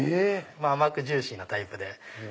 甘くジューシーなタイプで。